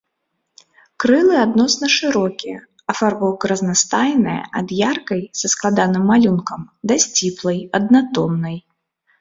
Крылы адносна шырокія, афарбоўка разнастайная ад яркай са складаным малюнкам да сціплай, аднатоннай.